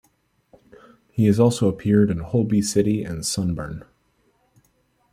He has also appeared in "Holby City" and "Sunburn".